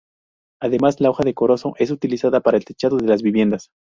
Además la hoja de corozo es utilizada para el techado de las viviendas.